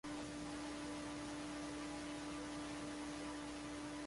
"Matrecos" é o mesmo que "matraquilhos".